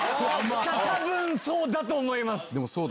多分そうだと思います。